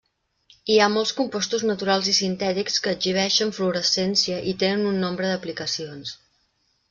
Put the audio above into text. Hi ha molts compostos naturals i sintètics que exhibeixen fluorescència, i tenen un nombre d'aplicacions.